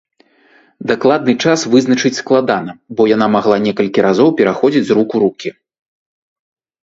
Дакладны час вызначыць складана, бо яна магла некалькі разоў пераходзіць з рук у рукі.